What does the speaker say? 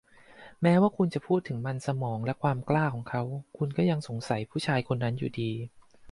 แม้ว่าคุณจะพูดถึงมันสมองและความกล้าของเขา คุณก็จะยังสงสัยผู้ชายคนนั้นอยู่ดี